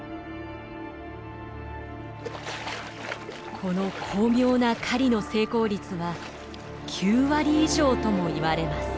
この巧妙な狩りの成功率は９割以上ともいわれます。